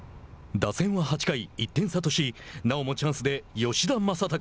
打線は８回、１点差としなおもチャンスで吉田正尚。